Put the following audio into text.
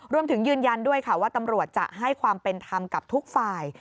ยืนยันด้วยค่ะว่าตำรวจจะให้ความเป็นธรรมกับทุกฝ่าย